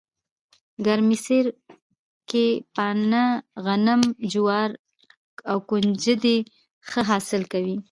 ګرمسیر کې پنه، غنم، جواري او ُکنجدي ښه حاصل کوي